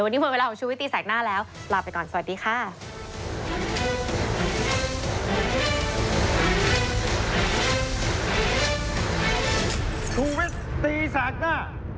วันนี้หมดเวลาของชุวิตตีแสกหน้าแล้วลาไปก่อนสวัสดีค่ะ